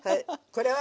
これは？